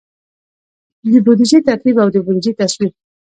د بودیجې ترتیب او د بودیجې تصویب.